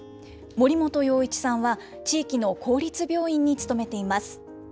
守本陽一さんは、地域の公立病院に勤めています。